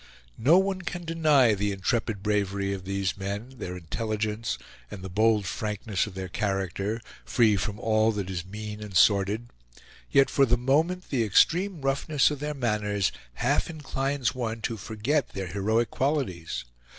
No one can deny the intrepid bravery of these men, their intelligence and the bold frankness of their character, free from all that is mean and sordid. Yet for the moment the extreme roughness of their manners half inclines one to forget their heroic qualities.